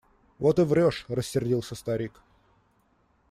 Вот и врешь! – рассердился старик.